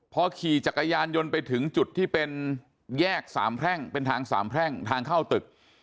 พอขี่จักรยานยนต์ไปถึงจุดที่เป็นแยกสามแพร่งเป็นทางสามแพร่งทางเข้าตึก